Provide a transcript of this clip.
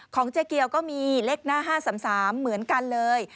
เจ๊เกียวก็มีเลขหน้า๕๓๓เหมือนกันเลย